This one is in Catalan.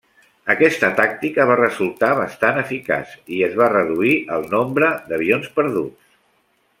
Aquesta tàctica va resultar bastant eficaç, i es va reduir el nombre d'avions perduts.